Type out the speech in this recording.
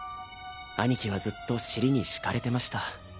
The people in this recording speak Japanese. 兄貴はずっと尻に敷かれてました。